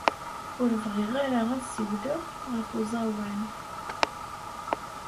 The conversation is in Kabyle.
Ur bɣiɣ ara ad ssiwleɣ ɣef uẓawan.